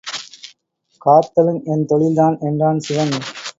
காத்தலும் என் தொழில்தான் என்றான் சிவன்.